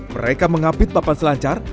mereka mengapit papan selancar